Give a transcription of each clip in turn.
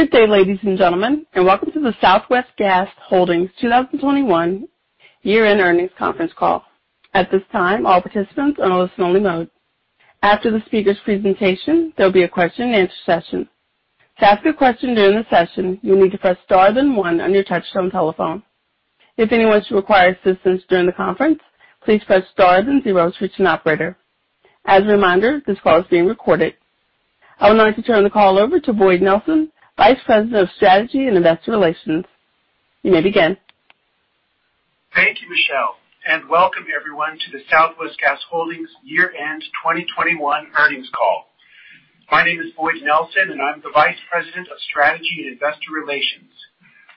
Good day, ladies and gentlemen, and welcome to the Southwest Gas Holdings 2021 year-end earnings conference call. At this time, all participants are on a listen-only mode. After the speaker's presentation, there will be a question-and-answer session. To ask a question during the session, you'll need to press star then one on your touch-tone telephone. If anyone should require assistance during the conference, please press star then zero to reach an operator. As a reminder, this call is being recorded. I would like to turn the call over to Boyd Nelson, Vice President of Strategy and Investor Relations. You may begin. Thank you, Michelle, and welcome, everyone, to the Southwest Gas Holdings year-end 2021 earnings call. My name is Boyd Nelson, and I'm the Vice President of Strategy and Investor Relations.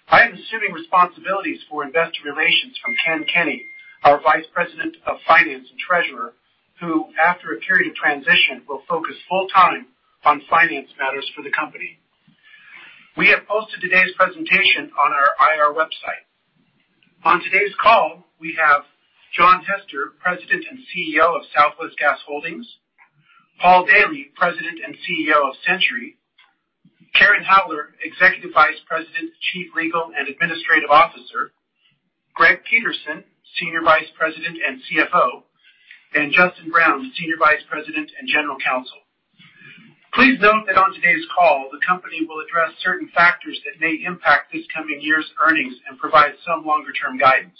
I am assuming responsibilities for investor relations from Ken Kenny, our Vice President of Finance and Treasurer, who, after a period of transition, will focus full-time on finance matters for the company. We have posted today's presentation on our IR website. On today's call, we have John Hester, President and CEO of Southwest Gas Holdings; Paul Daily, President and CEO of Centuri; Karen Haller, Executive Vice President, Chief Legal and Administrative Officer; Greg Peterson, Senior Vice President and CFO; and Justine Brown, Senior Vice President and General Counsel. Please note that on today's call, the company will address certain factors that may impact this coming year's earnings and provide some longer-term guidance.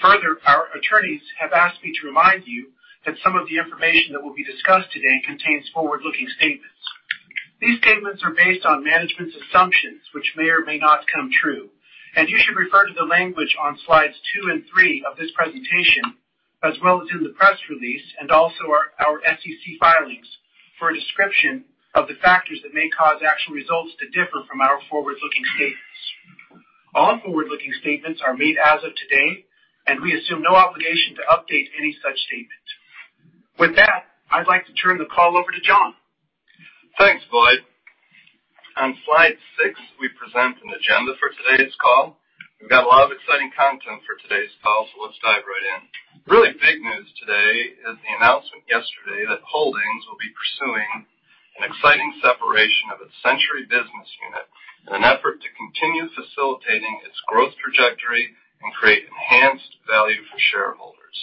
Further, our attorneys have asked me to remind you that some of the information that will be discussed today contains forward-looking statements. These statements are based on management's assumptions, which may or may not come true, and you should refer to the language on slides two and three of this presentation, as well as in the press release, and also our SEC filings, for a description of the factors that may cause actual results to differ from our forward-looking statements. All forward-looking statements are made as of today, and we assume no obligation to update any such statement. With that, I'd like to turn the call over to John. Thanks, Boyd. On slide six, we present an agenda for today's call. We've got a lot of exciting content for today's call, so let's dive right in. Really big news today is the announcement yesterday that Holdings will be pursuing an exciting separation of its Centuri business unit in an effort to continue facilitating its growth trajectory and create enhanced value for shareholders.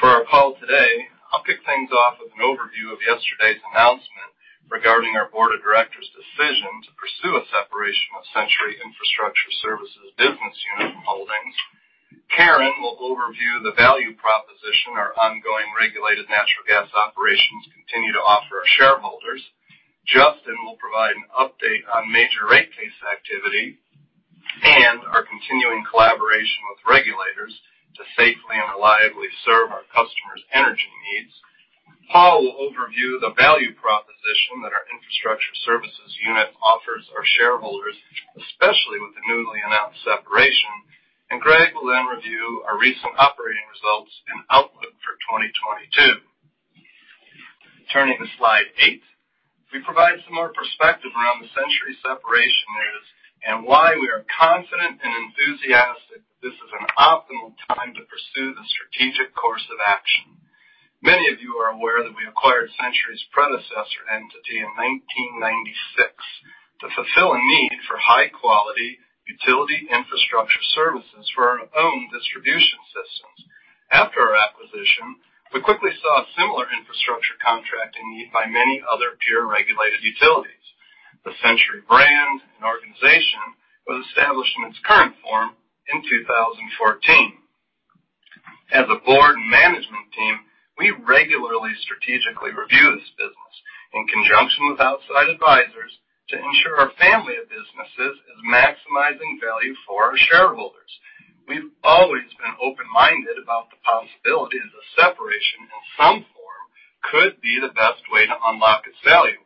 For our call today, I'll kick things off with an overview of yesterday's announcement regarding our Board of Directors' decision to pursue a separation of Centuri Infrastructure Services business unit from holdings. Karen will overview the value proposition our ongoing regulated natural gas operations continue to offer our shareholders. Justin will provide an update on major rate case activity and our continuing collaboration with regulators to safely and reliably serve our customers' energy needs. Paul will overview the value proposition that our infrastructure services unit offers our shareholders, especially with the newly announced separation. Greg will then review our recent operating results and outlook for 2022. Turning to slide eight, we provide some more perspective around the Centuri separation news and why we are confident and enthusiastic that this is an optimal time to pursue the strategic course of action. Many of you are aware that we acquired Centuri's predecessor entity in 1996 to fulfill a need for high-quality utility infrastructure services for our own distribution systems. After our acquisition, we quickly saw a similar infrastructure contracting need by many other peer-regulated utilities. The Centuri brand and organization was established in its current form in 2014. As a board and management team, we regularly strategically review this business in conjunction with outside advisors to ensure our family of businesses is maximizing value for our shareholders. We've always been open-minded about the possibility that a separation in some form could be the best way to unlock its value,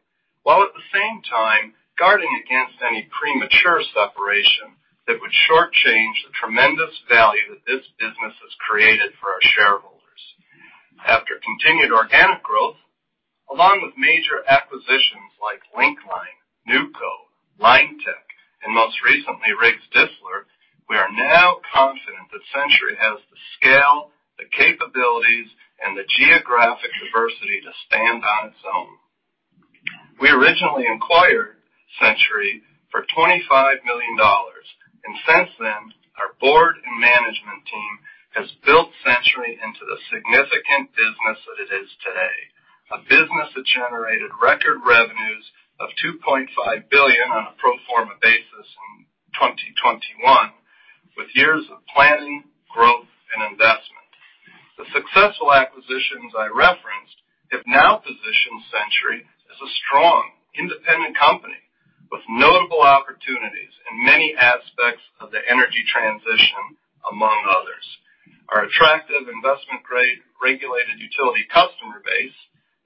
while at the same time guarding against any premature separation that would shortchange the tremendous value that this business has created for our shareholders. After continued organic growth, along with major acquisitions like Link-Line, Neuco, Linetec, and most recently Riggs Distler, we are now confident that Centuri has the scale, the capabilities, and the geographic diversity to stand on its own. We originally acquired Centuri for $25 million, and since then, our board and management team has built Centuri into the significant business that it is today, a business that generated record revenues of $2.5 billion on a pro forma basis in 2021, with years of planning, growth, and investment. The successful acquisitions I referenced have now positioned Centuri as a strong, independent company with notable opportunities in many aspects of the energy transition, among others. Our attractive investment-grade regulated utility customer base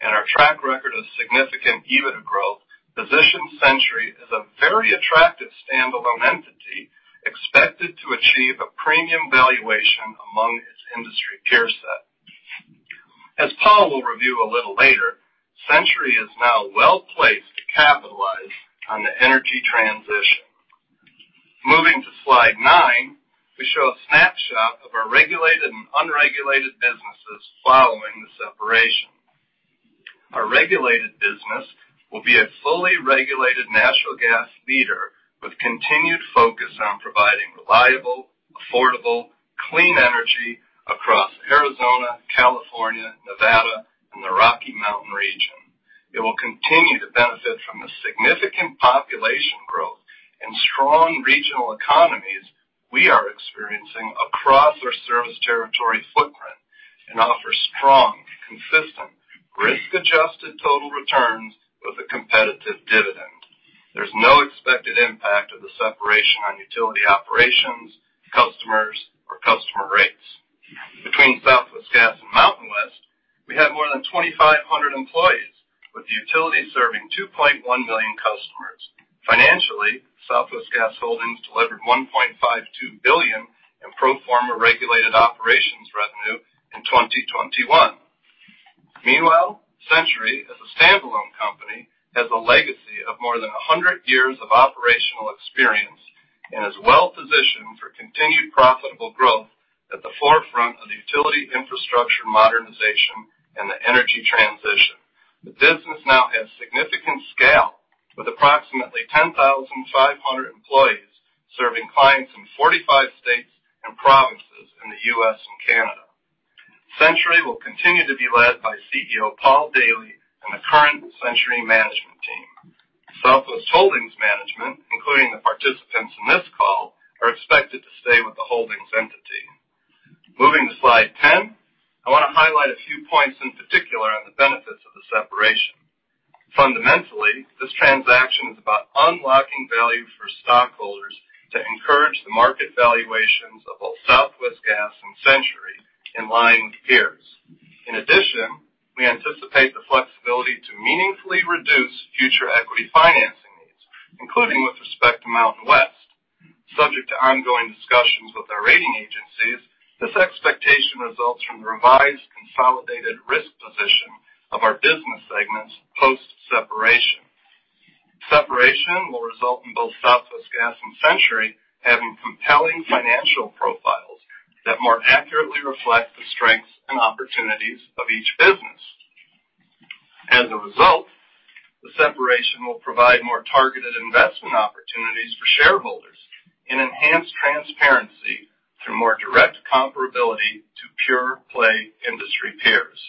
and our track record of significant EBITDA growth position Centuri as a very attractive standalone entity expected to achieve a premium valuation among its industry peer set. As Paul will review a little later, Centuri is now well-placed to capitalize on the energy transition. Moving to slide nine, we show a snapshot of our regulated and unregulated businesses following the separation. Our regulated business will be a fully regulated natural gas leader with continued focus on providing reliable, affordable, clean energy across Arizona, California, Nevada, and the Rocky Mountain region. It will continue to benefit from the significant population growth and strong regional economies we are experiencing across our service territory footprint and offer strong, consistent, risk-adjusted total returns with a competitive dividend. There's no expected impact of the separation on utility operations, customers, or customer rates. Between Southwest Gas and Mountain West, we have more than 2,500 employees, with utility serving 2.1 million customers. Financially, Southwest Gas Holdings delivered $1.52 billion in pro forma regulated operations revenue in 2021. Meanwhile, Centuri, as a standalone company, has a legacy of more than 100 years of operational experience and is well-positioned for continued profitable growth at the forefront of the utility infrastructure modernization and the energy transition. The business now has significant scale with approximately 10,500 employees serving clients in 45 states and provinces in the U.S. and Canada. Centuri will continue to be led by CEO Paul Daily and the current Centuri management team. Southwest Gas Holdings management, including the participants in this call, are expected to stay with the holdings entity. Moving to slide ten, I want to highlight a few points in particular on the benefits of the separation. Fundamentally, this transaction is about unlocking value for stockholders to encourage the market valuations of both Southwest Gas and Centuri in line with peers. In addition, we anticipate the flexibility to meaningfully reduce future equity financing needs, including with respect to Mountain West. Subject to ongoing discussions with our rating agencies, this expectation results from the revised, consolidated risk position of our business segments post-separation. Separation will result in both Southwest Gas and Centuri having compelling financial profiles that more accurately reflect the strengths and opportunities of each business. As a result, the separation will provide more targeted investment opportunities for shareholders and enhance transparency through more direct comparability to pure-play industry peers.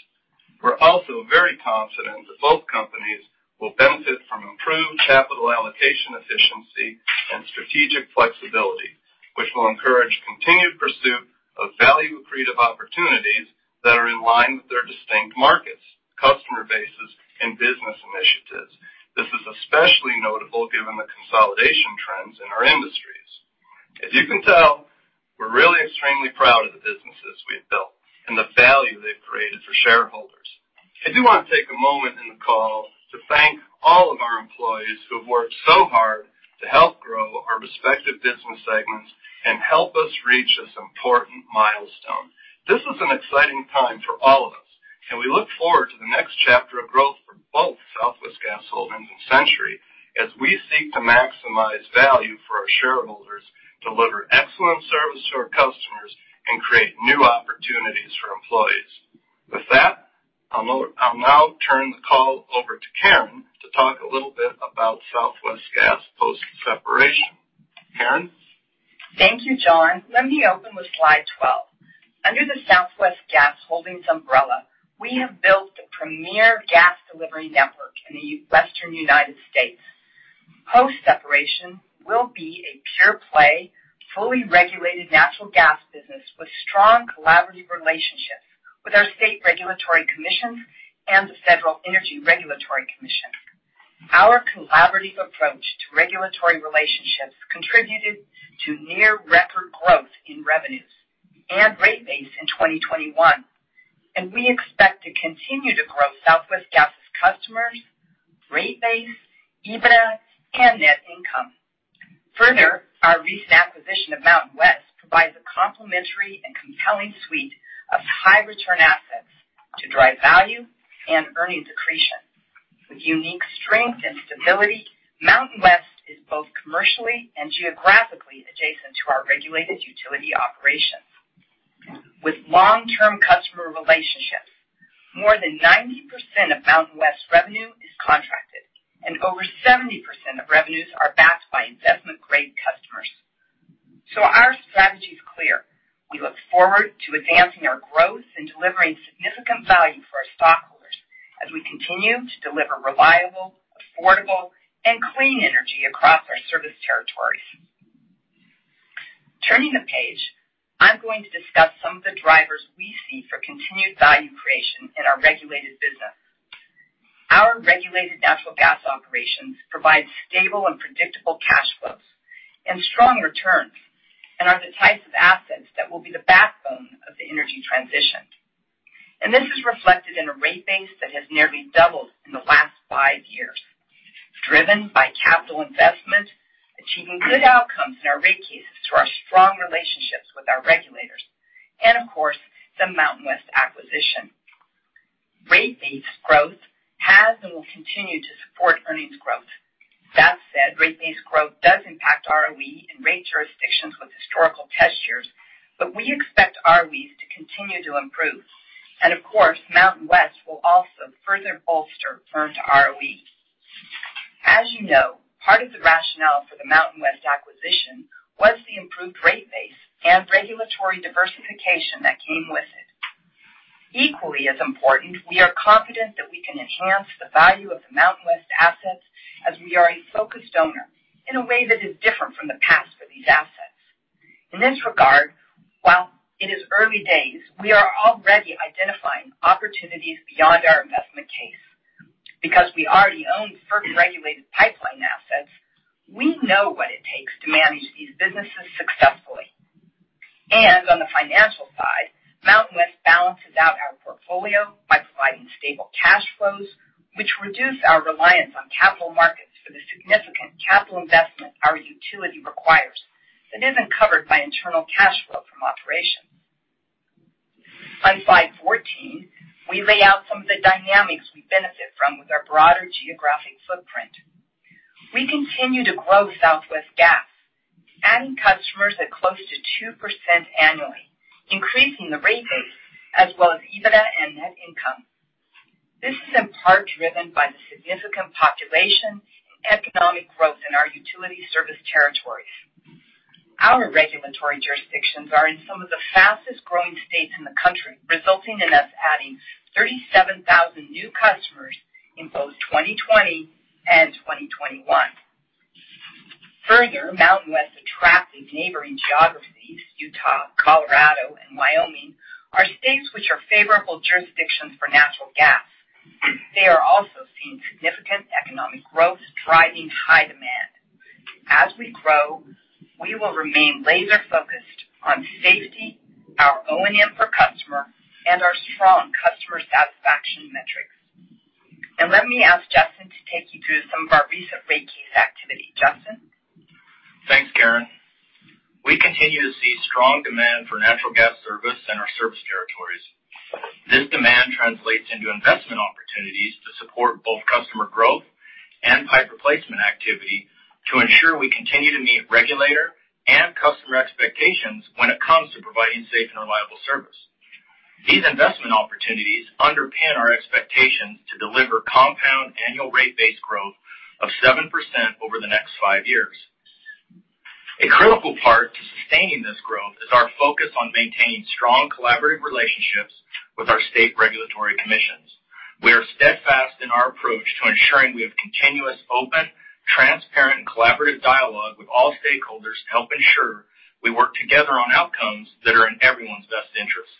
We are also very confident that both companies will benefit from improved capital allocation efficiency and strategic flexibility, which will encourage continued pursuit of value-accretive opportunities that are in line with their distinct markets, customer bases, and business initiatives. This is especially notable given the consolidation trends in our industries. As you can tell, we are really extremely proud of the businesses we have built and the value they have created for shareholders. I do want to take a moment in the call to thank all of our employees who have worked so hard to help grow our respective business segments and help us reach this important milestone. This is an exciting time for all of us, and we look forward to the next chapter of growth for both Southwest Gas Holdings and Centuri as we seek to maximize value for our shareholders, deliver excellent service to our customers, and create new opportunities for employees. With that, I'll now turn the call over to Karen to talk a little bit about Southwest Gas post-separation. Karen? Thank you, John. Let me open with slide 12. Under the Southwest Gas Holdings umbrella, we have built the premier gas delivery network in the western United States. Post-separation, we'll be a pure-play, fully regulated natural gas business with strong collaborative relationships with our state regulatory commissions and the Federal Energy Regulatory Commission. Our collaborative approach to regulatory relationships contributed to near-record growth in revenues and rate base in 2021, and we expect to continue to grow Southwest Gas's customers, rate base, EBITDA, and net income. Further, our recent acquisition of Mountain West provides a complementary and compelling suite of high-return assets to drive value and earnings accretion. With unique strength and stability, Mountain West is both commercially and geographically adjacent to our regulated utility operations. With long-term customer relationships, more than 90% of Mountain West's revenue is contracted, and over 70% of revenues are backed by investment-grade customers. Our strategy is clear. We look forward to advancing our growth and delivering significant value for our stockholders as we continue to deliver reliable, affordable, and clean energy across our service territories. Turning the page, I'm going to discuss some of the drivers we see for continued value creation in our regulated business. Our regulated natural gas operations provide stable and predictable cash flows and strong returns and are the types of assets that will be the backbone of the energy transition. This is reflected in a rate base that has nearly doubled in the last five years, driven by capital investment, achieving good outcomes in our rate cases through our strong relationships with our regulators, and of course, some Mountain West acquisition. Rate base growth has and will continue to support earnings growth. That said, rate base growth does impact ROE in rate jurisdictions with historical test years, but we expect ROEs to continue to improve. Of course, Mountain West will also further bolster firm to ROE. As you know, part of the rationale for the Mountain West acquisition was the improved rate base and regulatory diversification that came with it. Equally as important, we are confident that we can enhance the value of the Mountain West assets as we are a focused owner in a way that is different from the past for these assets. In this regard, while it is early days, we are already identifying opportunities beyond our investment case. Because we already own firm regulated pipeline assets, we know what it takes to manage these businesses successfully. On the financial side, Mountain West balances out our portfolio by providing stable cash flows, which reduce our reliance on capital markets for the significant capital investment our utility requires that is not covered by internal cash flow from operations. On slide 14, we lay out some of the dynamics we benefit from with our broader geographic footprint. We continue to grow Southwest Gas, adding customers at close to 2% annually, increasing the rate base as well as EBITDA and net income. This is in part driven by the significant population and economic growth in our utility service territories. Our regulatory jurisdictions are in some of the fastest-growing states in the country, resulting in us adding 37,000 new customers in both 2020 and 2021. Further, Mountain West attractive neighboring geographies, Utah, Colorado, and Wyoming, are states which are favorable jurisdictions for natural gas. They are also seeing significant economic growth driving high demand. As we grow, we will remain laser-focused on safety, our O&M per customer, and our strong customer satisfaction metrics. Let me ask Justin to take you through some of our recent rate case activity. Justin? Thanks, Karen. We continue to see strong demand for natural gas service in our service territories. This demand translates into investment opportunities to support both customer growth and pipe replacement activity to ensure we continue to meet regulator and customer expectations when it comes to providing safe and reliable service. These investment opportunities underpin our expectations to deliver compound annual rate base growth of 7% over the next five years. A critical part to sustaining this growth is our focus on maintaining strong collaborative relationships with our state regulatory commissions. We are steadfast in our approach to ensuring we have continuous open, transparent, and collaborative dialogue with all stakeholders to help ensure we work together on outcomes that are in everyone's best interest.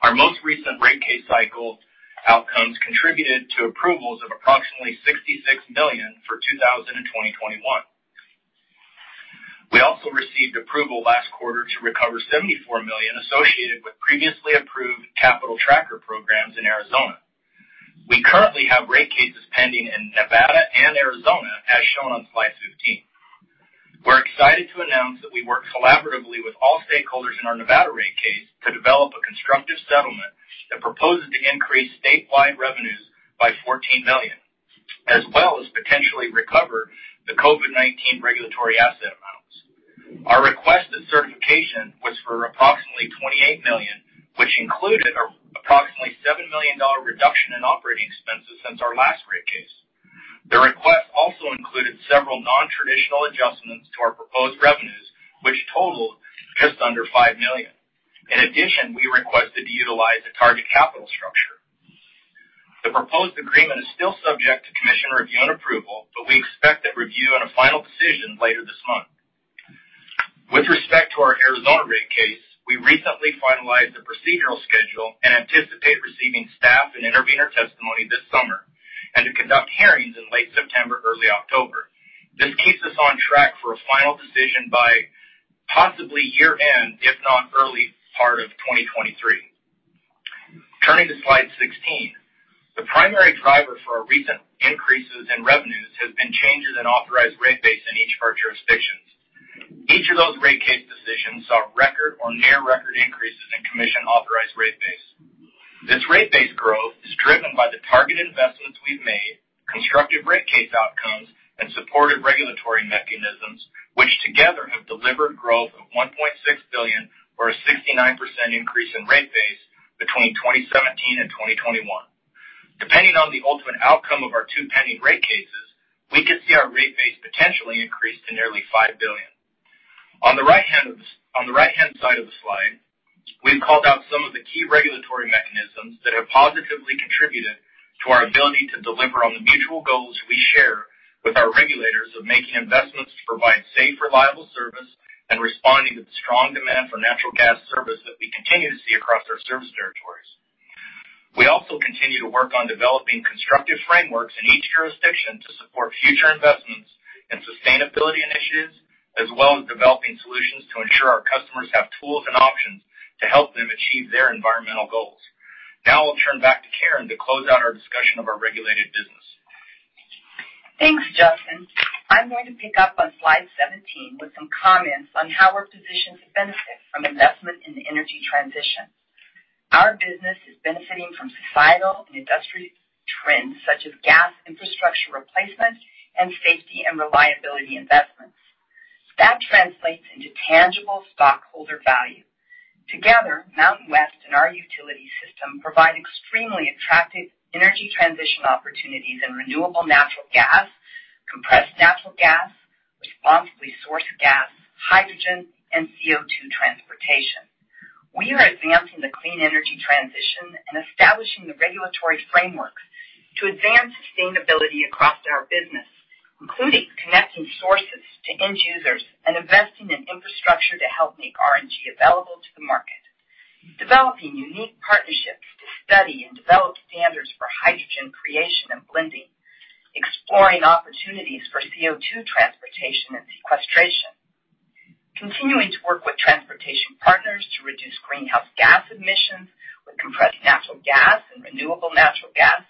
Our most recent rate case cycle outcomes contributed to approvals of approximately $66 million for 2000 and 2021. We also received approval last quarter to recover $74 million associated with previously approved capital tracker programs in Arizona. We currently have rate cases pending in Nevada and Arizona, as shown on slide 15. We're excited to announce that we work collaboratively with all stakeholders in our Nevada rate case to develop a constructive settlement that proposes to increase statewide revenues by $14 million, as well as potentially recover the COVID-19 regulatory asset amounts. Our requested certification was for approximately $28 million, which included an approximately $7 million reduction in operating expenses since our last rate case. The request also included several non-traditional adjustments to our proposed revenues, which totaled just under $5 million. In addition, we requested to utilize a target capital structure. The proposed agreement is still subject to commission review and approval, but we expect that review and a final decision later this month. With respect to our Arizona rate case, we recently finalized the procedural schedule and anticipate receiving staff and intervenor testimony this summer and to conduct hearings in late September, early October. This keeps us on track for a final decision by possibly year-end, if not early part of 2023. Turning to slide 16, the primary driver for our recent increases in revenues has been changes in authorized rate base in each of our jurisdictions. Each of those rate case decisions saw record or near-record increases in commission authorized rate base. This rate base growth is driven by the targeted investments we've made, constructive rate case outcomes, and supportive regulatory mechanisms, which together have delivered growth of $1.6 billion or a 69% increase in rate base between 2017 and 2021. Depending on the ultimate outcome of our two pending rate cases, we could see our rate base potentially increase to nearly $5 billion. On the right-hand side of the slide, we've called out some of the key regulatory mechanisms that have positively contributed to our ability to deliver on the mutual goals we share with our regulators of making investments to provide safe, reliable service and responding to the strong demand for natural gas service that we continue to see across our service territories. We also continue to work on developing constructive frameworks in each jurisdiction to support future investments and sustainability initiatives, as well as developing solutions to ensure our customers have tools and options to help them achieve their environmental goals. Now I'll turn back to Karen to close out our discussion of our regulated business. Thanks, Justin. I'm going to pick up on slide 17 with some comments on how our position could benefit from investment in the energy transition. Our business is benefiting from societal and industrial trends such as gas infrastructure replacement and safety and reliability investments. That translates into tangible stockholder value. Together, Mountain West and our utility system provide extremely attractive energy transition opportunities in renewable natural gas, compressed natural gas, responsibly sourced gas, hydrogen, and CO2 transportation. We are advancing the clean energy transition and establishing the regulatory frameworks to advance sustainability across our business, including connecting sources to end users and investing in infrastructure to help make RNG available to the market, developing unique partnerships to study and develop standards for hydrogen creation and blending, exploring opportunities for CO2 transportation and sequestration, continuing to work with transportation partners to reduce greenhouse gas emissions with compressed natural gas and renewable natural gas,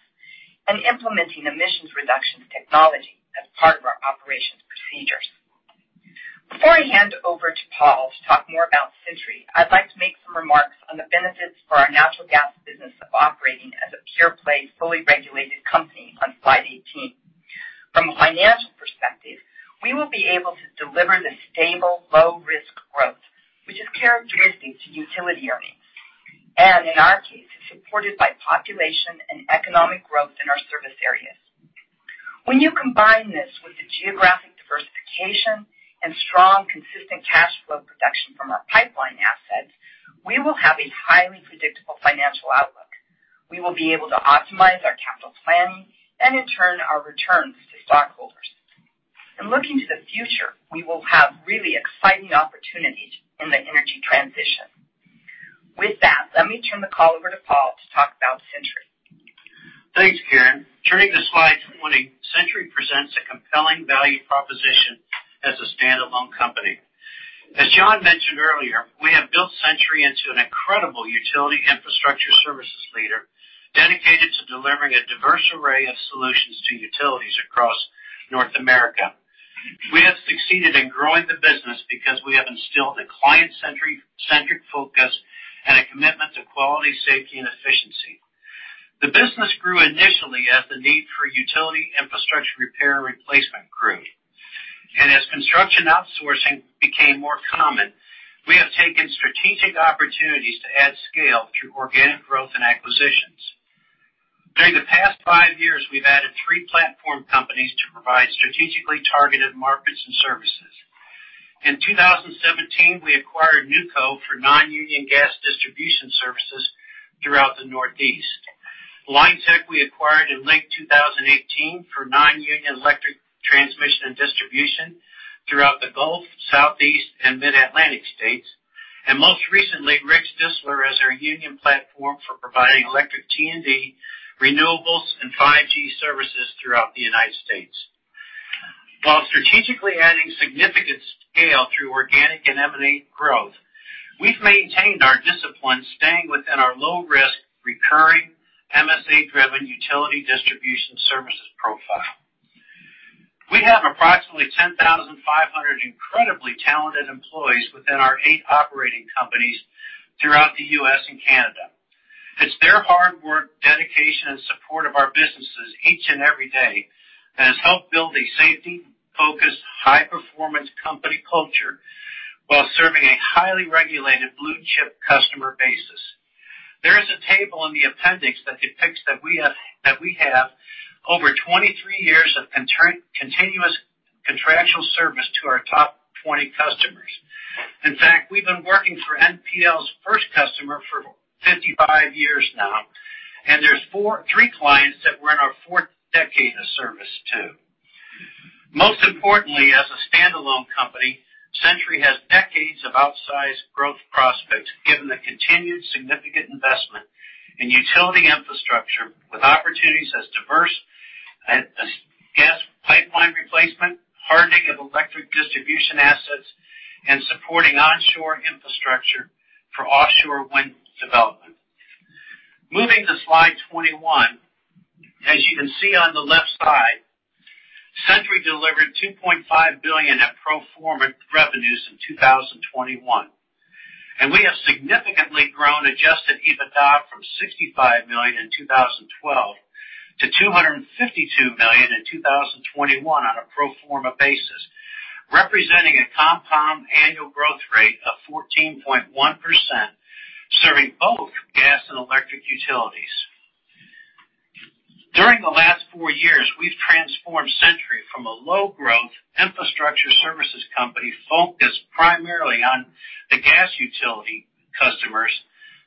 and implementing emissions reduction technology as part of our operations procedures. Before I hand over to Paul to talk more about Centuri, I'd like to make some remarks on the benefits for our natural gas business of operating as a pure-play, fully regulated company on slide 18. From a financial perspective, we will be able to deliver the stable, low-risk growth, which is characteristic to utility earnings, and in our case, is supported by population and economic growth in our service areas. When you combine this with the geographic diversification and strong, consistent cash flow production from our pipeline assets, we will have a highly predictable financial outlook. We will be able to optimize our capital planning and, in turn, our returns to stockholders. In looking to the future, we will have really exciting opportunities in the energy transition. With that, let me turn the call over to Paul to talk about Centuri. Thanks, Karen. Turning to slide 20, Centuri presents a compelling value proposition as a standalone company. As John mentioned earlier, we have built Centuri into an incredible utility infrastructure services leader dedicated to delivering a diverse array of solutions to utilities across North America. We have succeeded in growing the business because we have instilled a client-centric focus and a commitment to quality, safety, and efficiency. The business grew initially as the need for utility infrastructure repair and replacement grew. As construction outsourcing became more common, we have taken strategic opportunities to add scale through organic growth and acquisitions. During the past five years, we've added three platform companies to provide strategically targeted markets and services. In 2017, we acquired Neuco for non-union gas distribution services throughout the Northeast. Linetec we acquired in late 2018 for non-union electric transmission and distribution throughout the Gulf, Southeast, and Mid-Atlantic states, and most recently, Riggs Distler as our union platform for providing electric T&D, renewables, and 5G services throughout the United States. While strategically adding significant scale through organic and M&A growth, we've maintained our discipline staying within our low-risk, recurring, MSA-driven utility distribution services profile. We have approximately 10,500 incredibly talented employees within our eight operating companies throughout the U.S. and Canada. It's their hard work, dedication, and support of our businesses each and every day that has helped build a safety-focused, high-performance company culture while serving a highly regulated blue-chip customer basis. There is a table in the appendix that depicts that we have over 23 years of continuous contractual service to our top 20 customers. In fact, we've been working for NPL's first customer for 55 years now, and there's three clients that we're in our fourth decade of service to. Most importantly, as a standalone company, Centuri has decades of outsized growth prospects given the continued significant investment in utility infrastructure with opportunities as diverse as gas pipeline replacement, hardening of electric distribution assets, and supporting onshore infrastructure for offshore wind development. Moving to slide 21, as you can see on the left side, Centuri delivered $2.5 billion of pro forma revenues in 2021. We have significantly grown adjusted EBITDA from $65 million in 2012 to $252 million in 2021 on a pro forma basis, representing a compound annual growth rate of 14.1%, serving both gas and electric utilities. During the last four years, we've transformed Centuri from a low-growth infrastructure services company focused primarily on the gas utility customers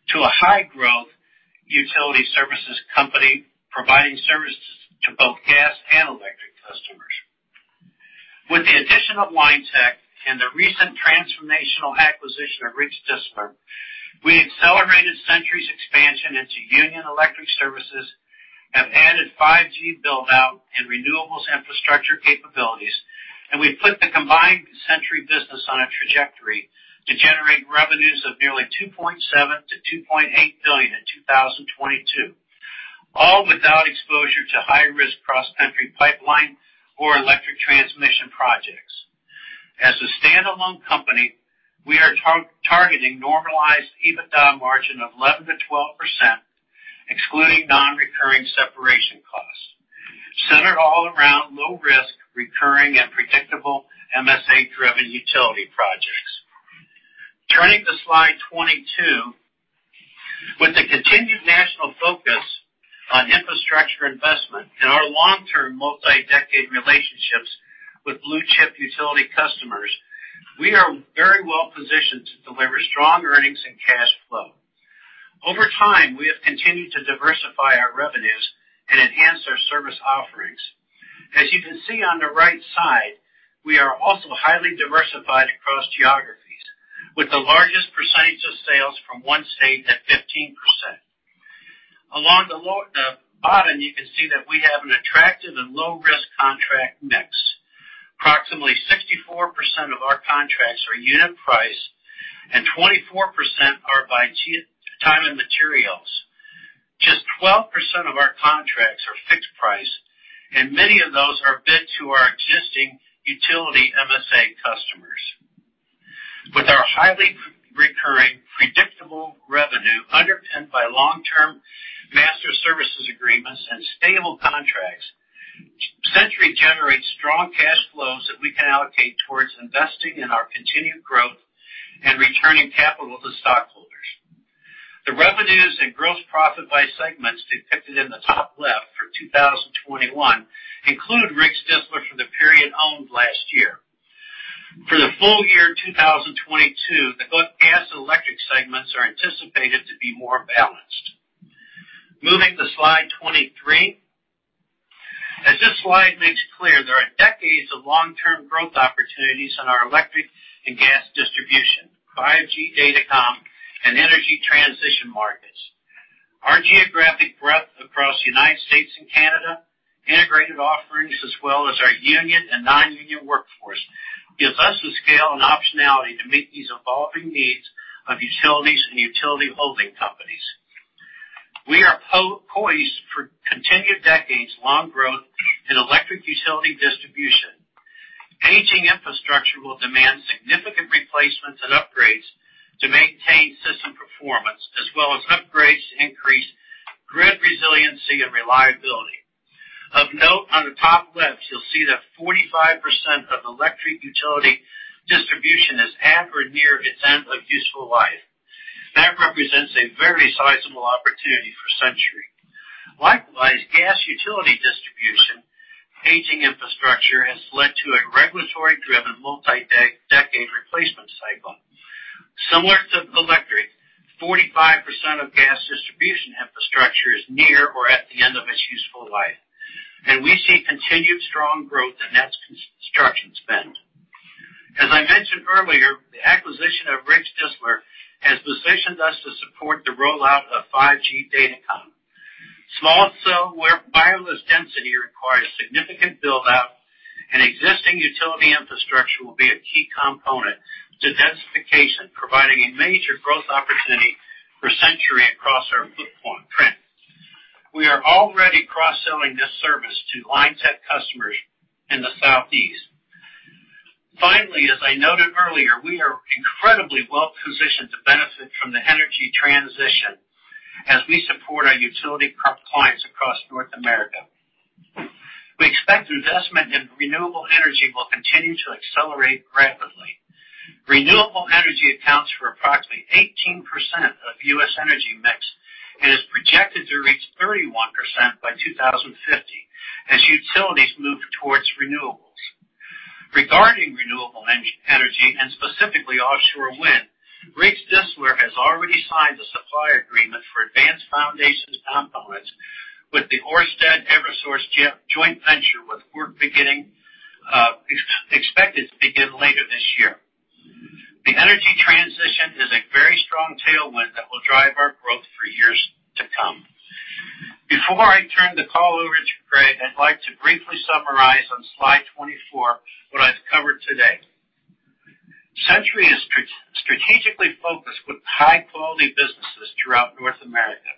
to a high-growth utility services company providing services to both gas and electric customers. With the addition of Linetec and the recent transformational acquisition of Riggs Distler, we accelerated Centuri's expansion into union electric services, have added 5G buildout and renewables infrastructure capabilities, and we've put the combined Centuri business on a trajectory to generate revenues of nearly $2.7 billion-$2.8 billion in 2022, all without exposure to high-risk cross-country pipeline or electric transmission projects. As a standalone company, we are targeting normalized EBITDA margin of 11%-12%, excluding non-recurring separation costs, centered all around low-risk, recurring, and predictable MSA-driven utility projects. Turning to slide 22, with the continued national focus on infrastructure investment and our long-term multi-decade relationships with blue-chip utility customers, we are very well positioned to deliver strong earnings and cash flow. Over time, we have continued to diversify our revenues and enhance our service offerings. As you can see on the right side, we are also highly diversified across geographies, with the largest percentage of sales from one state at 15%. Along the bottom, you can see that we have an attractive and low-risk contract mix. Approximately 64% of our contracts are unit price, and 24% are by time and materials. Just 12% of our contracts are fixed price, and many of those are bid to our existing utility MSA customers. With our highly recurring, predictable revenue underpinned by long-term Master Service Agreements and stable contracts, Centuri generates strong cash flows that we can allocate towards investing in our continued growth and returning capital to stockholders. The revenues and gross profit by segments depicted in the top left for 2021 include Riggs Distler for the period owned last year. For the full year 2022, the gas and electric segments are anticipated to be more balanced. Moving to slide 23, as this slide makes clear, there are decades of long-term growth opportunities in our electric and gas distribution, 5G datacom, and energy transition markets. Our geographic breadth across the United States and Canada, integrated offerings, as well as our union and non-union workforce, gives us the scale and optionality to meet these evolving needs of utilities and utility holding companies. We are poised for continued decades-long growth in electric utility distribution. Aging infrastructure will demand significant replacements and upgrades to maintain system performance, as well as upgrades to increase grid resiliency and reliability. Of note, on the top left, you'll see that 45% of electric utility distribution is at or near its end of useful life. That represents a very sizable opportunity for Centuri. Likewise, gas utility distribution aging infrastructure has led to a regulatory-driven multi-decade replacement cycle. Similar to electric, 45% of gas distribution infrastructure is near or at the end of its useful life, and we see continued strong growth in that construction spend. As I mentioned earlier, the acquisition of Riggs Distler has positioned us to support the rollout of 5G data com. Small cell wireless density requires significant buildout, and existing utility infrastructure will be a key component to densification, providing a major growth opportunity for Centuri across our footprint. We are already cross-selling this service to Linetec customers in the Southeast. Finally, as I noted earlier, we are incredibly well positioned to benefit from the energy transition as we support our utility clients across North America. We expect investment in renewable energy will continue to accelerate rapidly. Renewable energy accounts for approximately 18% of U.S. energy mix and is projected to reach 31% by 2050 as utilities move towards renewables. Regarding renewable energy and specifically offshore wind, Riggs Distler has already signed a supply agreement for advanced foundations components with the Ørsted-Eversource joint venture, with work expected to begin later this year. The energy transition is a very strong tailwind that will drive our growth for years to come. Before I turn the call over to Greg, I'd like to briefly summarize on slide 24 what I've covered today. Centuri is strategically focused with high-quality businesses throughout North America,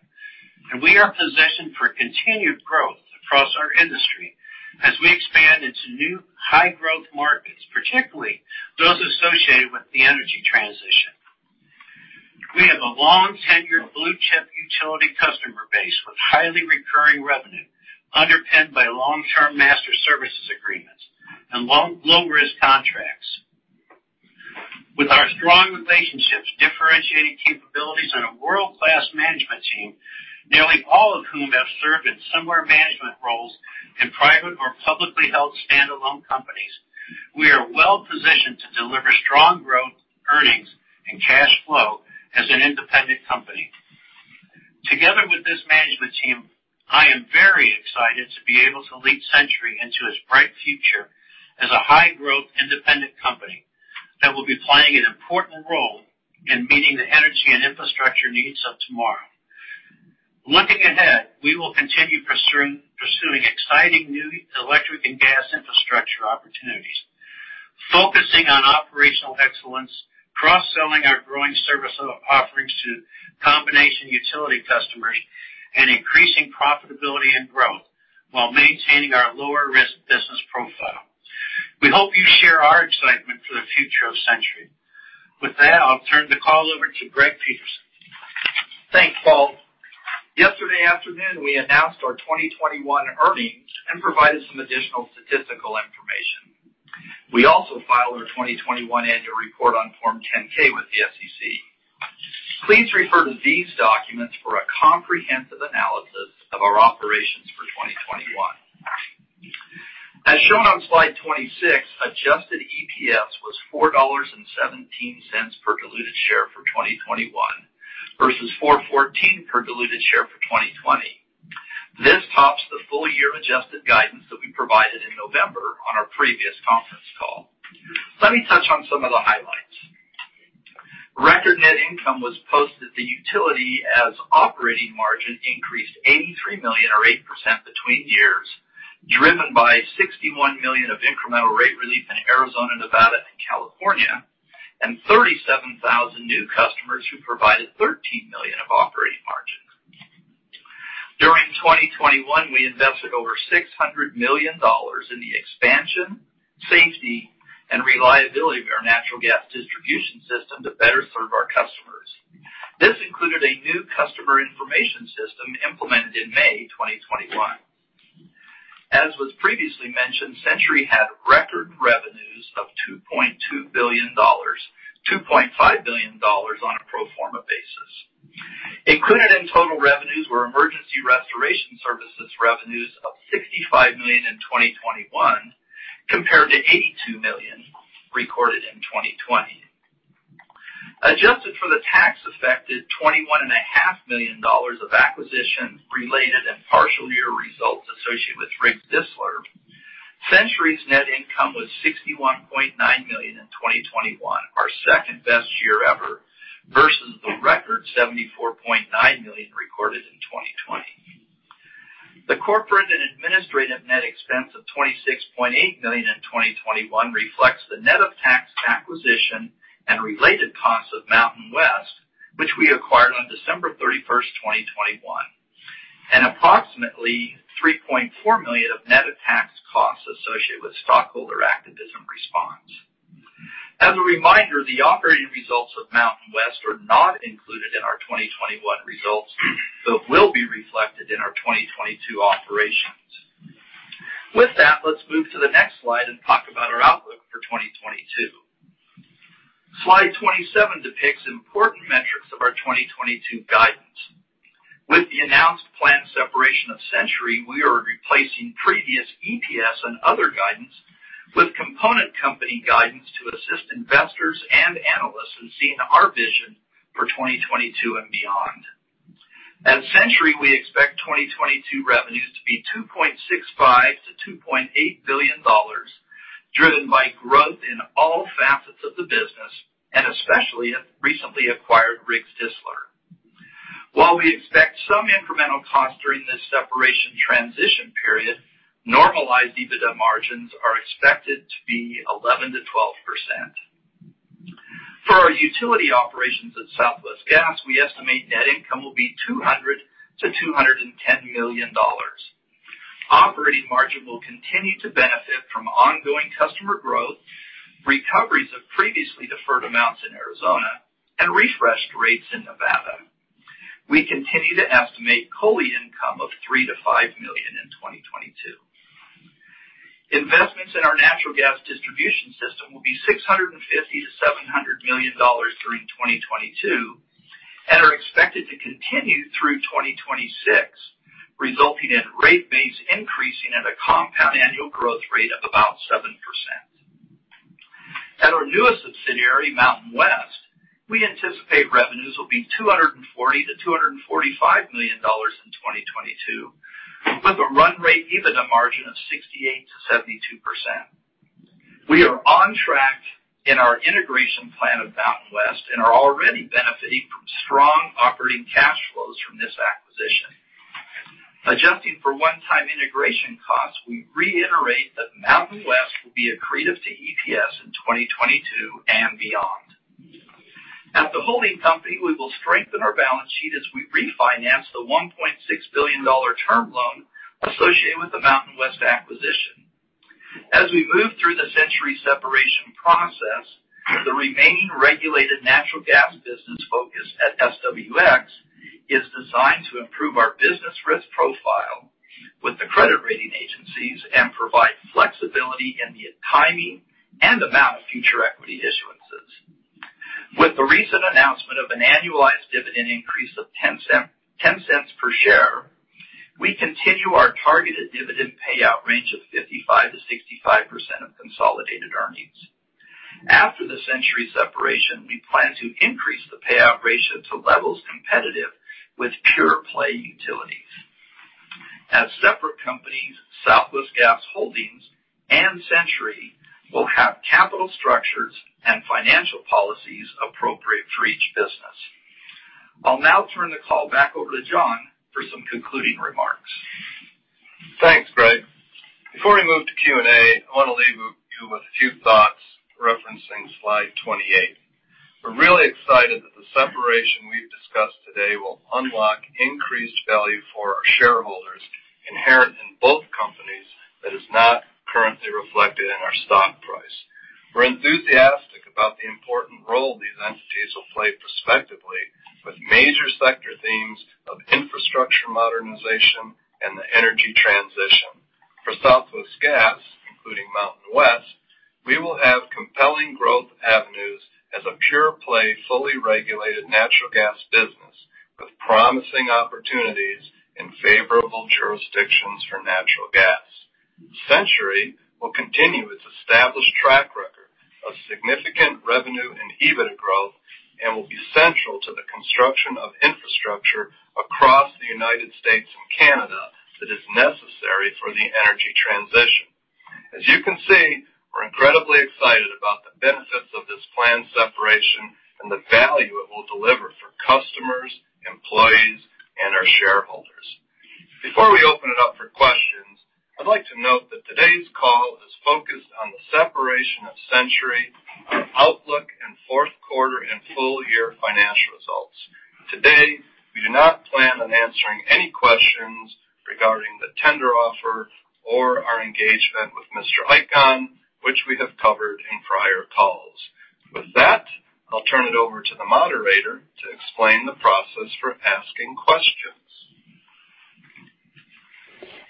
and we are positioned for continued growth across our industry as we expand into new high-growth markets, particularly those associated with the energy transition. We have a long-tenured blue-chip utility customer base with highly recurring revenue underpinned by long-term master service agreements and low-risk contracts. With our strong relationships, differentiated capabilities, and a world-class management team, nearly all of whom have served in senior management roles in private or publicly held standalone companies, we are well positioned to deliver strong growth, earnings, and cash flow as an independent company. Together with this management team, I am very excited to be able to lead Centuri into its bright future as a high-growth independent company that will be playing an important role in meeting the energy and infrastructure needs of tomorrow. Looking ahead, we will continue pursuing exciting new electric and gas infrastructure opportunities, focusing on operational excellence, cross-selling our growing service offerings to combination utility customers, and increasing profitability and growth while maintaining our lower-risk business profile. We hope you share our excitement for the future of Centuri. With that, I'll turn the call over to Greg Peterson. Thanks, Paul. Yesterday afternoon, we announced our 2021 earnings and provided some additional statistical information. We also filed our 2021 annual report on Form 10-K with the SEC. Please refer to these documents for a comprehensive analysis of our operations for 2021. As shown on slide 26, adjusted EPS was $4.17 per diluted share for 2021 versus $4.14 per diluted share for 2020. This tops the full-year adjusted guidance that we provided in November on our previous conference call. Let me touch on some of the highlights. Record net income was posted to utility as operating margin increased $83 million, or 8% between years, driven by $61 million of incremental rate relief in Arizona, Nevada, and California, and 37,000 new customers who provided $13 million of operating margins. During 2021, we invested over $600 million in the expansion, safety, and reliability of our natural gas distribution system to better serve our customers. This included a new customer information system implemented in May 2021. As was previously mentioned, Centuri had record revenues of $2.2 billion, $2.5 billion on a pro forma basis. Included in total revenues were emergency restoration services revenues of $65 million in 2021, compared to $82 million recorded in 2020. Adjusted for the tax-affected $21.5 million of acquisition, related, and partial year results associated with Riggs Distler, Centuri's net income was $61.9 million in 2021, our second-best year ever, versus the record $74.9 million recorded in 2020. The corporate and administrative net expense of $26.8 million in 2021 reflects the net of tax acquisition and related costs of Mountain West, which we acquired on December 31, 2021, and approximately $3.4 million of net of tax costs associated with stockholder activism response. As a reminder, the operating results of Mountain West are not included in our 2021 results, but will be reflected in our 2022 operations. With that, let's move to the next slide and talk about our outlook for 2022. Slide 27 depicts important metrics of our 2022 guidance. With the announced planned separation of Centuri, we are replacing previous EPS and other guidance with component company guidance to assist investors and analysts in seeing our vision for 2022 and beyond. At Centuri, we expect 2022 revenues to be $2.65 billion-$2.8 billion, driven by growth in all facets of the business, and especially at recently acquired Riggs Distler. While we expect some incremental costs during this separation transition period, normalized EBITDA margins are expected to be 11%-12%. For our utility operations at Southwest Gas, we estimate net income will be $200 million-$210 million. Operating margin will continue to benefit from ongoing customer growth, recoveries of previously deferred amounts in Arizona, and refreshed rates in Nevada. We continue to estimate COLI income of $3 million-$5 million in 2022. Investments in our natural gas distribution system will be $650 million-$700 million during 2022 and are expected to continue through 2026, resulting in rate base increasing at a compound annual growth rate of about 7%. At our newest subsidiary, Mountain West, we anticipate revenues will be $240million-$245 million in 2022, with a run rate EBITDA margin of 68%-72%. We are on track in our integration plan of Mountain West and are already benefiting from strong operating cash flows from this acquisition. Adjusting for one-time integration costs, we reiterate that Mountain West will be accretive to EPS in 2022 and beyond. At the holding company, we will strengthen our balance sheet as we refinance the $1.6 billion term loan associated with the Mountain West acquisition. As we move through the Centuri separation process, the remaining regulated natural gas business focus at SWX is designed to improve our business risk profile with the credit rating agencies and provide flexibility in the timing and amount of future equity issuances. With the recent announcement of an annualized dividend increase of $0.10 per share, we continue our targeted dividend payout range of 55%-65% of consolidated earnings. After the Centuri separation, we plan to increase the payout ratio to levels competitive with pure-play utilities. As separate companies, Southwest Gas Holdings and Centuri will have capital structures and financial policies appropriate for each business. I'll now turn the call back over to John for some concluding remarks. Thanks, Greg. Before we move to Q&A, I want to leave you with a few thoughts referencing slide 28. We're really excited that the separation we've discussed today will unlock increased value for our shareholders inherent in both companies that is not currently reflected in our stock price. We're enthusiastic about the important role these entities will play prospectively with major sector themes of infrastructure modernization and the energy transition. For Southwest Gas, including Mountain West, we will have compelling growth avenues as a pure-play, fully regulated natural gas business with promising opportunities in favorable jurisdictions for natural gas. Centuri will continue its established track record of significant revenue and EBITDA growth and will be central to the construction of infrastructure across the United States and Canada that is necessary for the energy transition. As you can see, we're incredibly excited about the benefits of this planned separation and the value it will deliver for customers, employees, and our shareholders. Before we open it up for questions, I'd like to note that today's call is focused on the separation of Centuri outlook and fourth quarter and full-year financial results. Today, we do not plan on answering any questions regarding the tender offer or our engagement with Mr. Icahn, which we have covered in prior calls. With that, I'll turn it over to the moderator to explain the process for asking questions.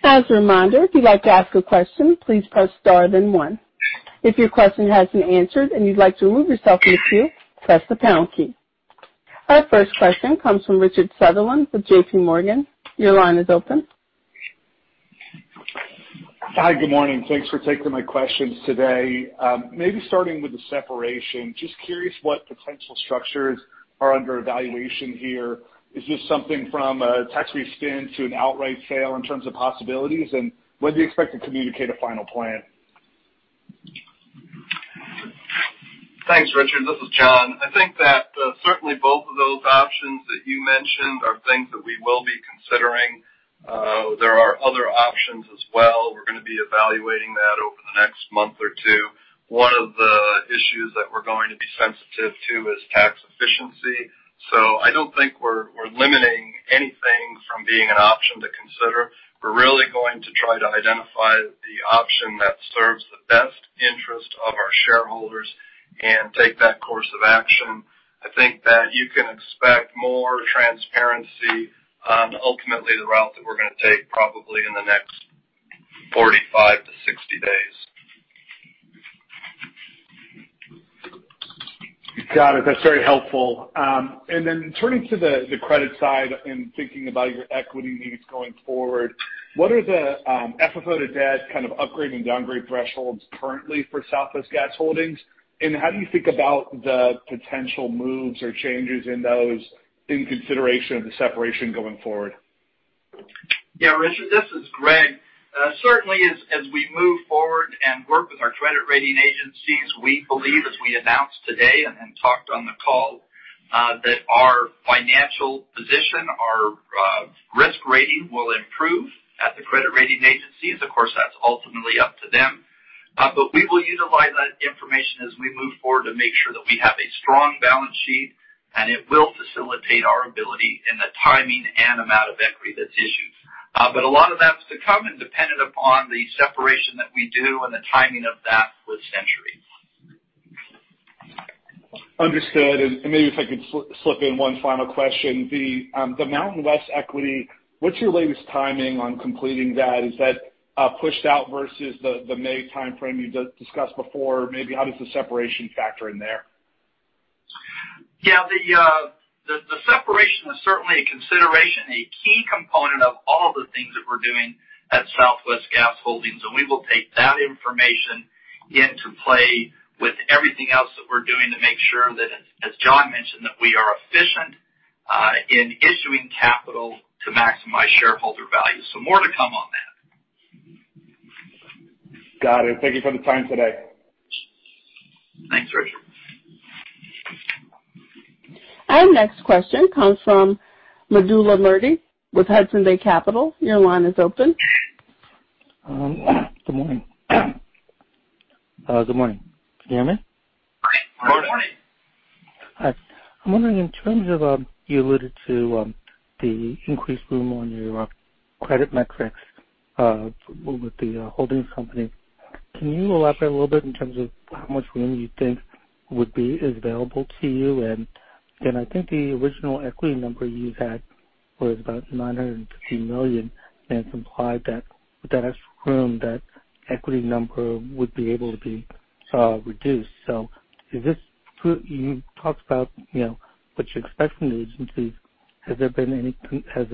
As a reminder, if you'd like to ask a question, please press star then one. If your question hasn't been answered and you'd like to remove yourself from the queue, press the pound key. Our first question comes from Richard Sutherland with JP Morgan. Your line is open. Hi, good morning. Thanks for taking my questions today. Maybe starting with the separation, just curious what potential structures are under evaluation here. Is this something from a tax-free spin to an outright sale in terms of possibilities, and when do you expect to communicate a final plan? Thanks, Richard. This is John. I think that certainly both of those options that you mentioned are things that we will be considering. There are other options as well. We're going to be evaluating that over the next month or two. One of the issues that we're going to be sensitive to is tax efficiency. I don't think we're limiting anything from being an option to consider. We're really going to try to identify the option that serves the best interest of our shareholders and take that course of action. I think that you can expect more transparency on ultimately the route that we're going to take probably in the next 45-60 days. Got it. That's very helpful. Turning to the credit side and thinking about your equity needs going forward, what are the FFO to Debt kind of upgrade and downgrade thresholds currently for Southwest Gas Holdings? How do you think about the potential moves or changes in those in consideration of the separation going forward? Yeah, Richard, this is Greg. Certainly, as we move forward and work with our credit rating agencies, we believe, as we announced today and talked on the call, that our financial position, our risk rating will improve at the credit rating agencies. Of course, that's ultimately up to them. We will utilize that information as we move forward to make sure that we have a strong balance sheet, and it will facilitate our ability in the timing and amount of equity that's issued. A lot of that's to come and dependent upon the separation that we do and the timing of that with Centuri. Understood. Maybe if I could slip in one final question. The Mountain West equity, what's your latest timing on completing that? Is that pushed out versus the May timeframe you discussed before? Maybe how does the separation factor in there? Yeah. The separation is certainly a consideration, a key component of all of the things that we're doing at Southwest Gas Holdings. We will take that information into play with everything else that we're doing to make sure that, as John mentioned, we are efficient in issuing capital to maximize shareholder value. More to come on that. Got it. Thank you for the time today. Thanks, Richard. Our next question comes from Vedula Murti with Hudson Bay Capital. Your line is open. Good morning. Good morning. Can you hear me? Good morning. Hi. I'm wondering, in terms of you alluded to the increased room on your credit metrics with the holdings company, can you elaborate a little bit in terms of how much room you think would be available to you? I think the original equity number you had was about $950 million, and it's implied that with that extra room, that equity number would be able to be reduced. You talked about what you expect from the agencies. Has there been any discussions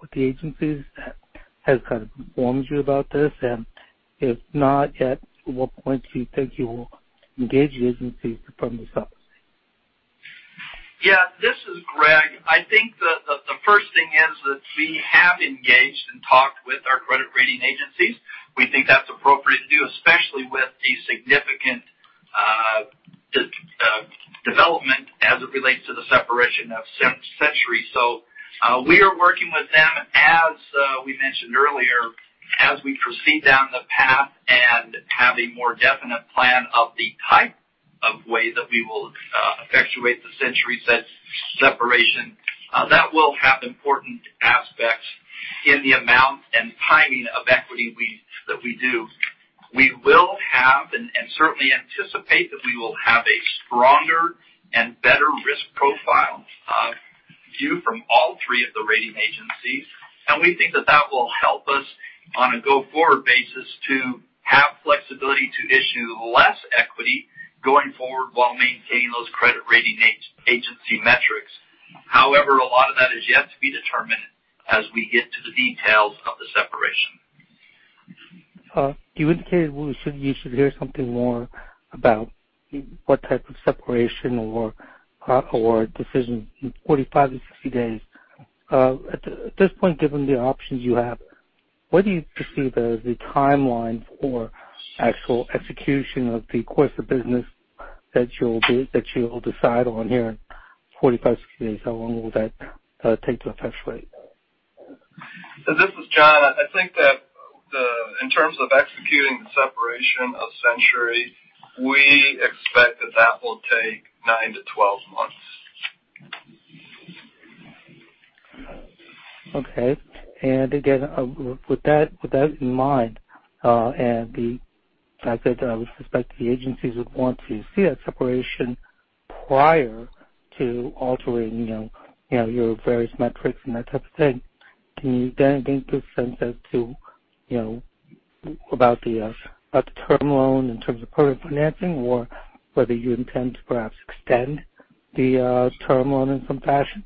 with the agencies that have kind of informed you about this? If not, at what point do you think you will engage the agencies to firm this up? Yeah. This is Greg. I think the first thing is that we have engaged and talked with our credit rating agencies. We think that's appropriate to do, especially with the significant development as it relates to the separation of Centuri. We are working with them, as we mentioned earlier, as we proceed down the path and have a more definite plan of the type of way that we will effectuate the Centuri's separation. That will have important aspects in the amount and timing of equity that we do. We will have and certainly anticipate that we will have a stronger and better risk profile view from all three of the rating agencies. We think that that will help us on a go-forward basis to have flexibility to issue less equity going forward while maintaining those credit rating agency metrics. However, a lot of that is yet to be determined as we get to the details of the separation. You indicated you should hear something more about what type of separation or decision in 45-60 days. At this point, given the options you have, what do you perceive as the timeline for actual execution of the course of business that you'll decide on here in 45-60 days? How long will that take to effectuate? This is John. I think that in terms of executing the separation of Centuri, we expect that that will take nine to twelve months. Okay. Again, with that in mind and the fact that I would suspect the agencies would want to see that separation prior to altering your various metrics and that type of thing, can you then make a sense as to about the term loan in terms of permanent financing or whether you intend to perhaps extend the term loan in some fashion?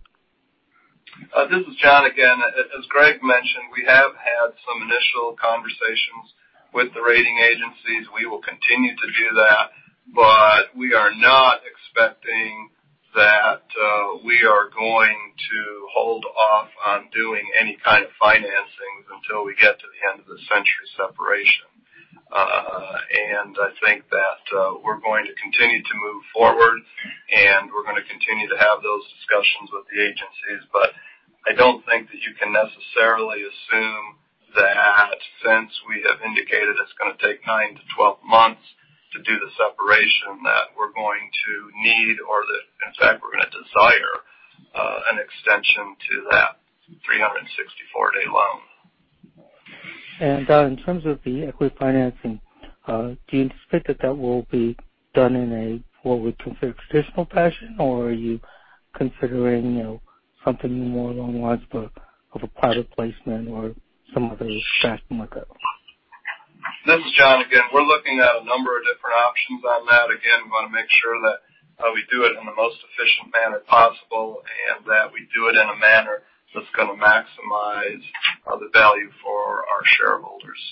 This is John again. As Greg mentioned, we have had some initial conversations with the rating agencies. We will continue to do that. We are not expecting that we are going to hold off on doing any kind of financing until we get to the end of the Centuri separation. I think that we're going to continue to move forward, and we're going to continue to have those discussions with the agencies. I don't think that you can necessarily assume that since we have indicated it's going to take 9 to 12 months to do the separation, that we're going to need or that, in fact, we're going to desire an extension to that 364-day loan. In terms of the equity financing, do you expect that that will be done in what we consider traditional fashion, or are you considering something more along the lines of a private placement or some other strategy like that? This is John again. We're looking at a number of different options on that. Again, we want to make sure that we do it in the most efficient manner possible and that we do it in a manner that's going to maximize the value for our shareholders.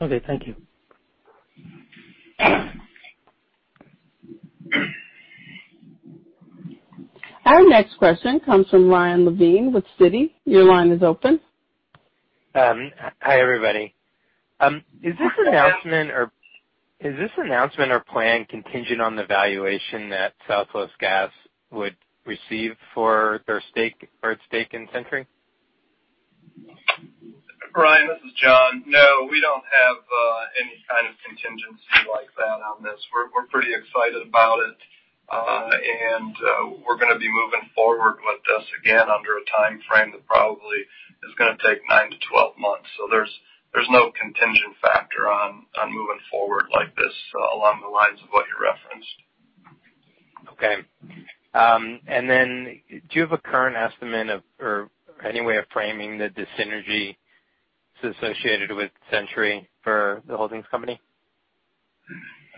Okay. Thank you. Our next question comes from Ryan Levine with Citi. Your line is open. Hi, everybody. Is this announcement or is this announcement or plan contingent on the valuation that Southwest Gas would receive for its stake in Centuri? Ryan, this is John. No, we do not have any kind of contingency like that on this. We are pretty excited about it. We are going to be moving forward with this again under a timeframe that probably is going to take 9 to 12 months. There is no contingent factor on moving forward like this along the lines of what you referenced. Okay. Do you have a current estimate or any way of framing that, this synergy is associated with Centuri for the holdings company?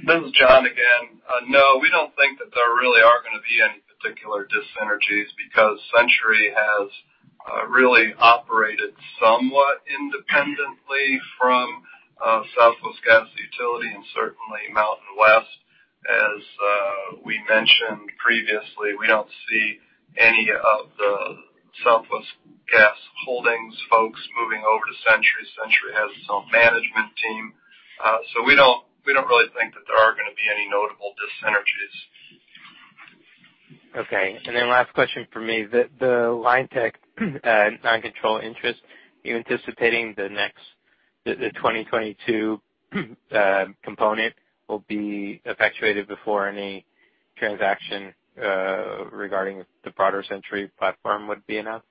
This is John again. No, we do not think that there really are going to be any particular dissynergies because Centuri has really operated somewhat independently from Southwest Gas Utility and certainly Mountain West, as we mentioned previously. We do not see any of the Southwest Gas Holdings folks moving over to Centuri. Centuri has its own management team. So we do not really think that there are going to be any notable dissynergies. Okay. And then last question for me. The Linetec non-control interest, you're anticipating the 2022 component will be effectuated before any transaction regarding the broader Centuri platform would be announced?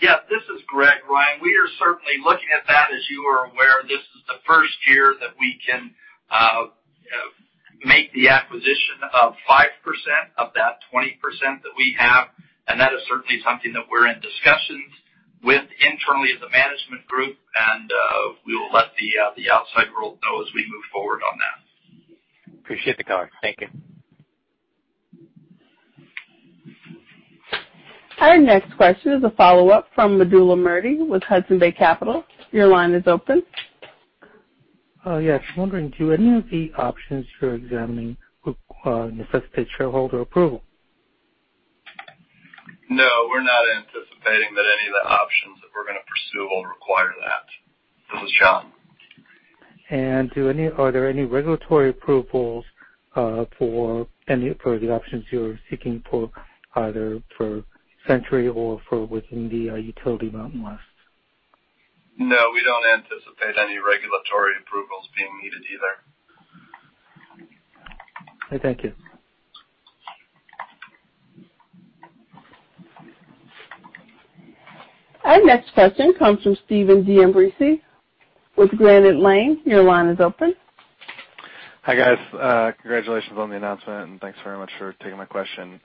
Yeah. This is Greg, Ryan. We are certainly looking at that. As you are aware, this is the first year that we can make the acquisition of 5% of that 20% that we have. That is certainly something that we're in discussions with internally as a management group. We will let the outside world know as we move forward on that. Appreciate the call. Thank you. Our next question is a follow-up from Vedula Murti with Hudson Bay Capital. Your line is open. Yeah. Just wondering too, any of the options you're examining necessitate shareholder approval? No, we're not anticipating that any of the options that we're going to pursue will require that. This is John. Are there any regulatory approvals for the options you're seeking for either for Centuri or for within the utility Mountain West? No, we don't anticipate any regulatory approvals being needed either. Okay. Thank you. Our next question comes from Stephen D'Ambrisi with Granite Lane. Your line is open. Hi guys. Congratulations on the announcement, and thanks very much for taking my question.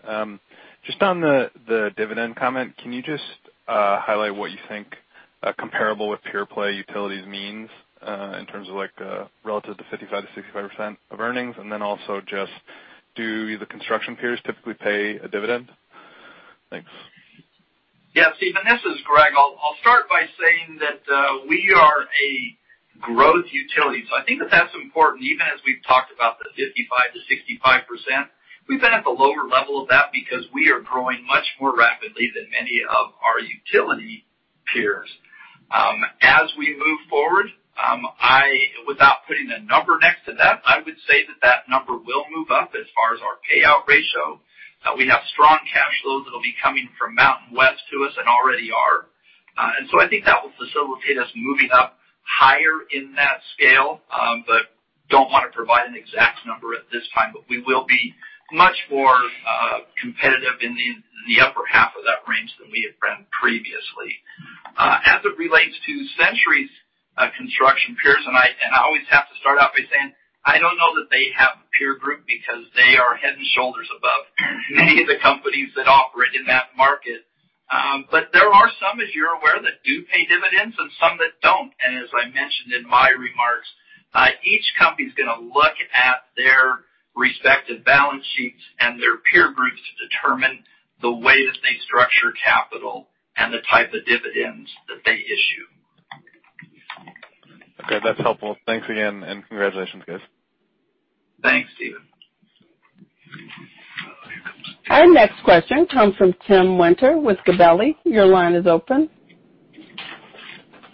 Just on the dividend comment, can you just highlight what you think comparable with pure play utilities means in terms of relative to 55-65% of earnings? Also, just do the construction peers typically pay a dividend? Thanks. Yeah. Stephen, this is Greg. I'll start by saying that we are a growth utility. I think that that's important. Even as we've talked about the 55%-65%, we've been at the lower level of that because we are growing much more rapidly than many of our utility peers. As we move forward, without putting a number next to that, I would say that that number will move up as far as our payout ratio. We have strong cash flows that will be coming from Mountain West to us and already are. I think that will facilitate us moving up higher in that scale. I do not want to provide an exact number at this time. We will be much more competitive in the upper half of that range than we have been previously. As it relates to Centuri's construction peers, and I always have to start out by saying I don't know that they have a peer group because they are head and shoulders above many of the companies that operate in that market. There are some, as you're aware, that do pay dividends and some that don't. As I mentioned in my remarks, each company is going to look at their respective balance sheets and their peer groups to determine the way that they structure capital and the type of dividends that they issue. Okay. That's helpful. Thanks again. And congratulations, guys. Thanks, Steven. Our next question comes from Tim Winter with Gabelli. Your line is open.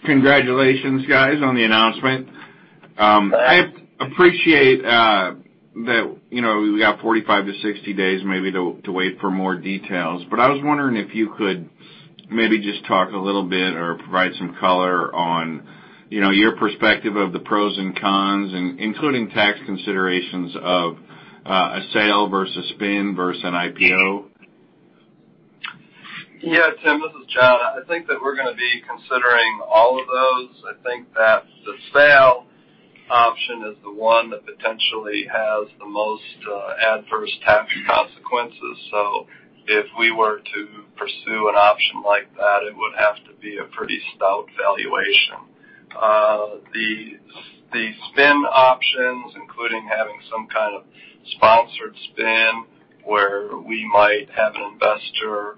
Congratulations, guys, on the announcement. I appreciate that we've got 45 to 60 days maybe to wait for more details. I was wondering if you could maybe just talk a little bit or provide some color on your perspective of the pros and cons, including tax considerations of a sale versus spin versus an IPO. Yeah. Tim, this is John. I think that we're going to be considering all of those. I think that the sale option is the one that potentially has the most adverse tax consequences. If we were to pursue an option like that, it would have to be a pretty stout valuation. The spin options, including having some kind of sponsored spin where we might have an investor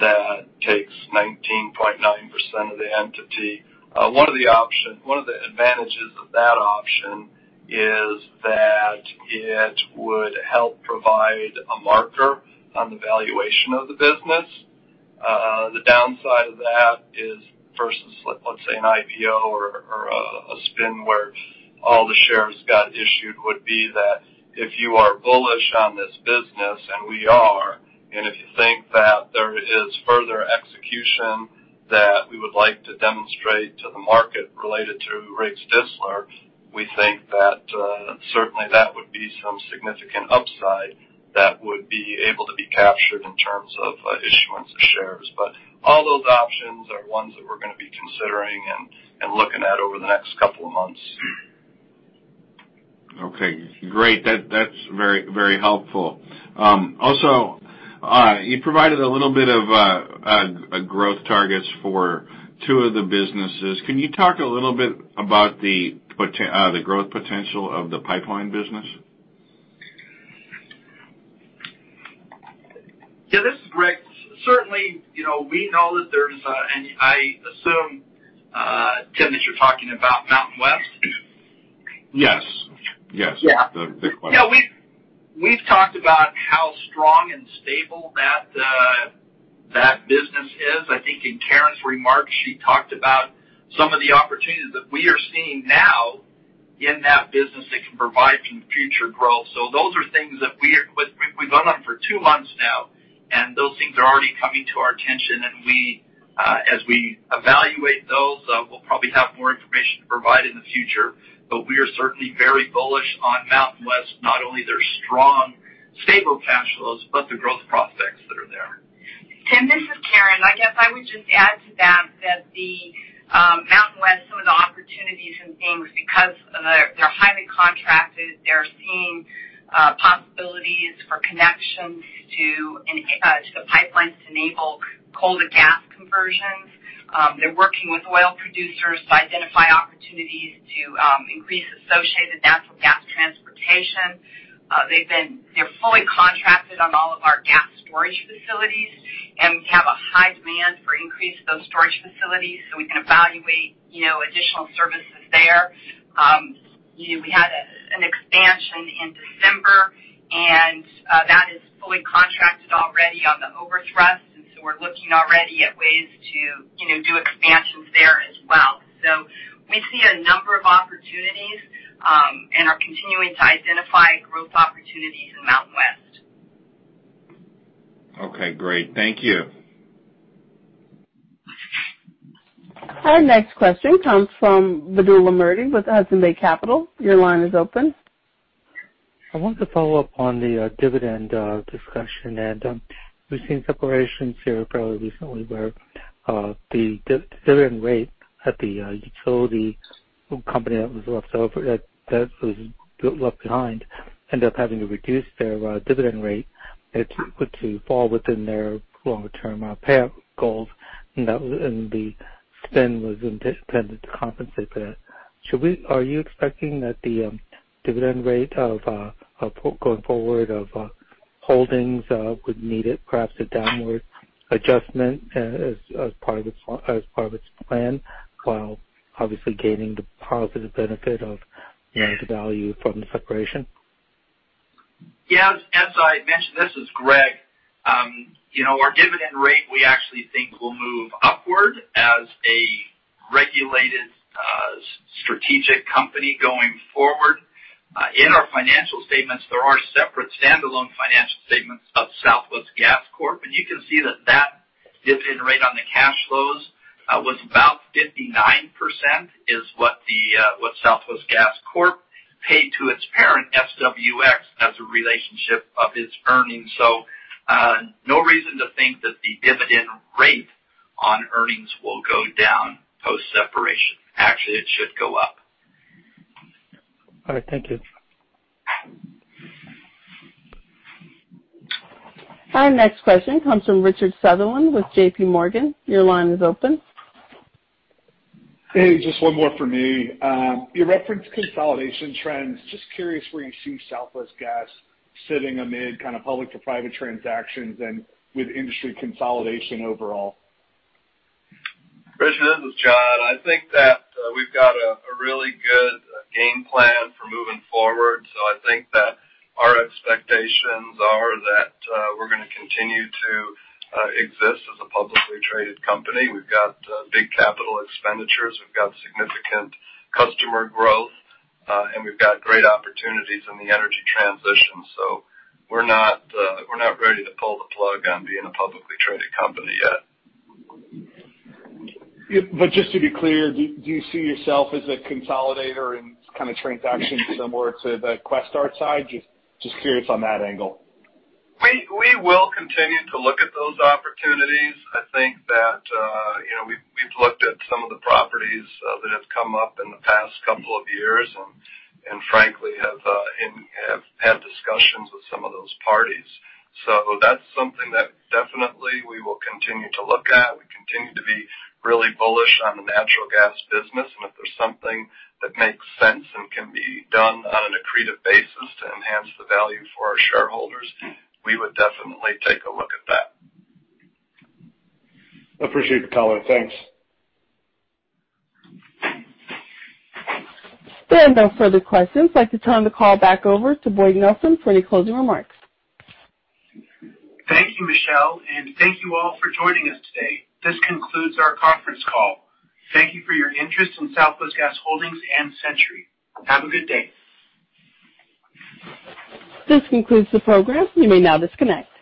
that takes 19.9% of the entity, one of the advantages of that option is that it would help provide a marker on the valuation of the business. The downside of that is versus, let's say, an IPO or a spin where all the shares got issued would be that if you are bullish on this business, and we are, and if you think that there is further execution that we would like to demonstrate to the market related to Riggs Distler, we think that certainly that would be some significant upside that would be able to be captured in terms of issuance of shares. All those options are ones that we're going to be considering and looking at over the next couple of months. Okay. Great. That's very helpful. Also, you provided a little bit of growth targets for two of the businesses. Can you talk a little bit about the growth potential of the pipeline business? Yeah. This is Greg. Certainly, we know that there's—and I assume, Tim, that you're talking about Mountain West? Yes. Yes. The big one. Yeah. We've talked about how strong and stable that business is. I think in Karen's remarks, she talked about some of the opportunities that we are seeing now in that business that can provide some future growth. Those are things that we've been on for two months now. Those things are already coming to our attention. As we evaluate those, we'll probably have more information to provide in the future. We are certainly very bullish on Mountain West, not only their strong, stable cash flows, but the growth prospects that are there. Tim, this is Karen. I guess I would just add to that that the Mountain West, some of the opportunities and things, because they're highly contracted, they're seeing possibilities for connections to the pipelines to enable coal-to-gas conversions. They're working with oil producers to identify opportunities to increase associated natural gas transportation. They're fully contracted on all of our gas storage facilities. We have a high demand for increased those storage facilities so we can evaluate additional services there. We had an expansion in December, and that is fully contracted already on the overthrust. We are looking already at ways to do expansions there as well. We see a number of opportunities and are continuing to identify growth opportunities in Mountain West. Okay. Great. Thank you. Our next question comes from Vedula Murti with Hudson Bay Capital. Your line is open. I wanted to follow up on the dividend discussion. We've seen separations here fairly recently where the dividend rate at the utility company that was left behind ended up having to reduce their dividend rate to fall within their longer-term payout goals. The spin was intended to compensate for that. Are you expecting that the dividend rate going forward of holdings would need perhaps a downward adjustment as part of its plan while obviously gaining the positive benefit of the value from the separation? Yeah. As I mentioned, this is Greg. Our dividend rate, we actually think will move upward as a regulated strategic company going forward. In our financial statements, there are separate standalone financial statements of Southwest Gas Corporation. And you can see that that dividend rate on the cash flows was about 59% is what Southwest Gas Corporation paid to its parent, SWX, as a relationship of its earnings. No reason to think that the dividend rate on earnings will go down post-separation. Actually, it should go up. All right. Thank you. Our next question comes from Richard Sutherland with JP Morgan. Your line is open. Hey. Just one more from me. You referenced consolidation trends. Just curious where you see Southwest Gas sitting amid kind of public-to-private transactions and with industry consolidation overall. Richard, this is John. I think that we've got a really good game plan for moving forward. I think that our expectations are that we're going to continue to exist as a publicly traded company. We've got big capital expenditures. We've got significant customer growth. We've got great opportunities in the energy transition. We're not ready to pull the plug on being a publicly traded company yet. Just to be clear, do you see yourself as a consolidator in kind of transactions similar to the Questar side? Just curious on that angle. We will continue to look at those opportunities. I think that we've looked at some of the properties that have come up in the past couple of years and, frankly, have had discussions with some of those parties. That is something that definitely we will continue to look at. We continue to be really bullish on the natural gas business. If there's something that makes sense and can be done on an accretive basis to enhance the value for our shareholders, we would definitely take a look at that. Appreciate the color. Thanks. There are no further questions. I'd like to turn the call back over to Boyd Nelson for any closing remarks. Thank you, Michelle. Thank you all for joining us today. This concludes our conference call. Thank you for your interest in Southwest Gas Holdings and Centuri. Have a good day. This concludes the program. You may now disconnect.